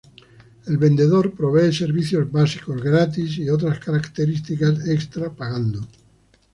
El vendedor provee servicios básicos gratis y otras características extra pagando.